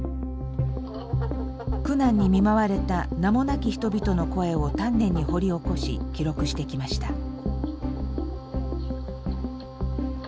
苦難に見舞われた名もなき人々の声を丹念に掘り起こし記録してきました。